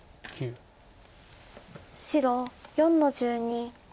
白４の十二。